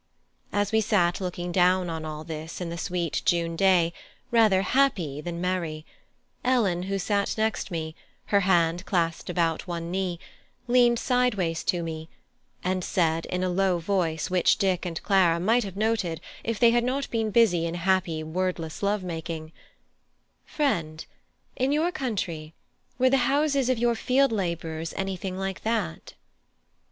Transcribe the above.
As we sat looking down on all this in the sweet June day, rather happy than merry, Ellen, who sat next me, her hand clasped about one knee, leaned sideways to me, and said in a low voice which Dick and Clara might have noted if they had not been busy in happy wordless love making: "Friend, in your country were the houses of your field labourers anything like that?"